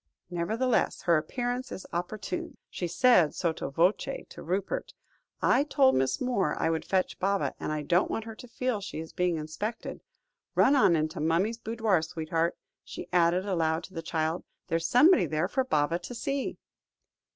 Nevertheless her appearance is opportune," she said, sotto voce, to Rupert. "I told Miss Moore I would fetch Baba, and I don't want her to feel she is being inspected. Run on into mummy's boudoir, sweetheart," she added aloud to the child, "there's somebody there for Baba to see."